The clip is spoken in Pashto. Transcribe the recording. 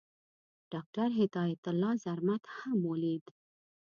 ډاکټر هرات الله زرمت هم ولید.